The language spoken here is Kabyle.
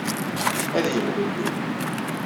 Ad yemlelli.